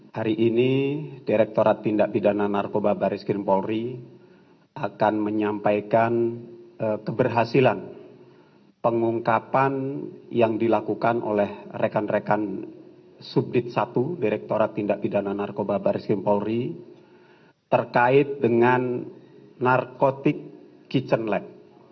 hari ini direkturat tindak pidana narkoba baris kempulri akan menyampaikan keberhasilan pengungkapan yang dilakukan oleh rekan rekan subdit i direkturat tindak pidana narkoba baris kempulri terkait dengan narkotik kitchen lab